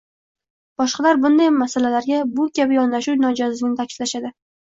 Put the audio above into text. boshqalar bunday masalalarga bu kabi yondashuv nojoizligini ta’kidlashdi.